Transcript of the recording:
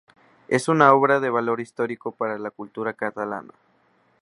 Es una obra de valor histórico para la cultura catalana.